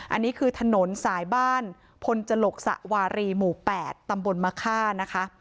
อันนี้คือถนนสายบ้านพลจลกสะวารีหมู่๘ตำบลมะค่านะคะ